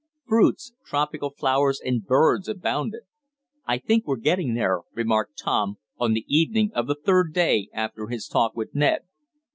Fruits, tropical flowers and birds abounded. "I think we're getting there," remarked Tom, on the evening of the third day after his talk with Ned.